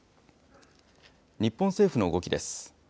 日本政府の動きです。